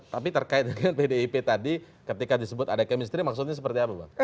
tapi terkait dengan pdip tadi ketika disebut ada chemistry maksudnya seperti apa bang